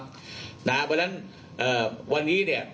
เพราะฉะนั้นวันนี้เนี่ย